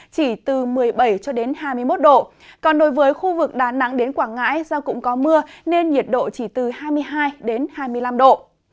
chỉ từ một mươi bảy cho đến hai mươi một độ còn đối với khu vực đà nẵng đến quảng ngãi do cũng có mưa nên nhiệt độ chỉ từ hai mươi hai hai mươi năm độ